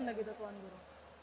bagaimana gitu tuan guru